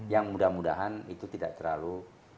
yang mudah mudahan itu tidak terlalu